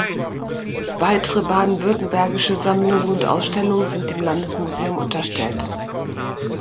Weitere baden-württembergische Sammlungen und Ausstellungen sind dem Landesmuseum unterstellt.